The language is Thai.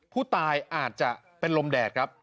ผู้ตายอาจจะเป็นลมแดดครับ